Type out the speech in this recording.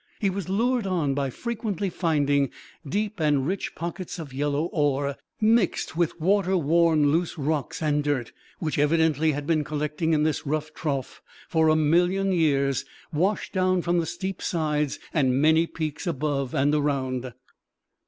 He was lured on by frequently finding deep and rich pockets of yellow ore, mixed with water worn loose rocks and dirt, which evidently had been collecting in this rough trough for a million years, washed down from the steep sides and many peaks above and around.